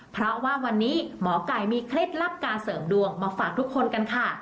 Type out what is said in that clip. เพราะว่าวันนี้หมอไก่มีเคล็ดลับการเสริมดวงมาฝากทุกคนกันค่ะ